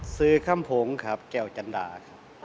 ซื้อคำผงครับแก่วจันราครับ